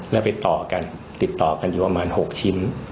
แล้วไปต่อกันติดต่อกันอยู่ประมาณ๖ชิ้น